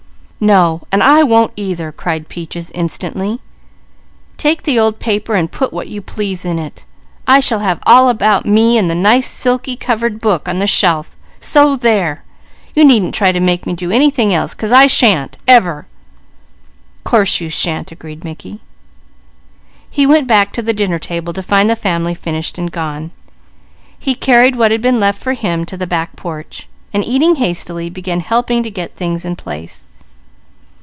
"No, an' I won't, either!" cried Peaches instantly. "Take the old paper an' put what you please in it. I shall have all about me in the nice silky covered book on the shelf; so there, you needn't try to make me do anything else, 'cause I shan't ever!" "Course you shan't!" agreed Mickey. He went back to the dinner table to find the family finished and gone. He carried what had been left for him to the back porch, and eating hastily began helping to get things in place.